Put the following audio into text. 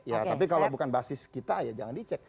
ya tapi kalau bukan basis kita ya jangan dicek